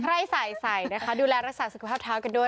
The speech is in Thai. ใครใส่ใส่นะคะดูแลรักษาสุขภาพเท้ากันด้วย